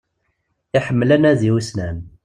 Iḥemmel anadi ussnan.